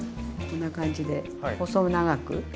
こんな感じで細長く。